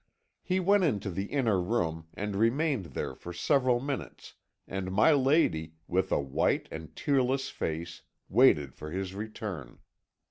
"He went into the inner room, and remained there for several minutes, and my lady, with a white and tearless face, waited for his return.